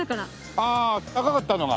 ああ赤かったのが。